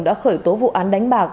đã khởi tố vụ án đánh bạc